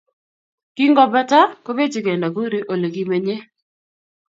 Kingopata kobechikei nakuru Ole kimenyei